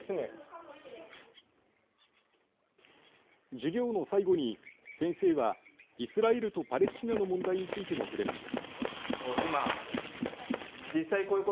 授業の最後に先生はイスラエルとパレスチナの問題についても触れました。